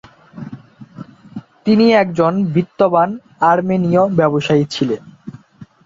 তিনি একজন বিত্তবান আর্মেনিয় ব্যবসায়ী ছিলেন।